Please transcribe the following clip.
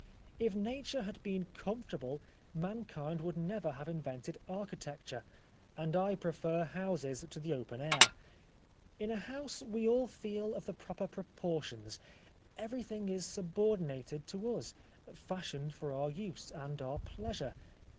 ... If Nature had been comfortable mankind would never have invented architecture, and I prefer houses to the open air. In a house we all feel of the proper proportions. Everything is sub ordinated to us, fashioned for our use and our pleasure.